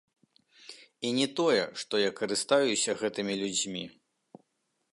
І не тое, што я карыстаюся гэтымі людзьмі.